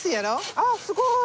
あっすごい！